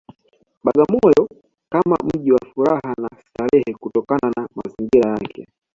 Bagamoyo kama mji wa furaha na starehe kutokana na mazingira yake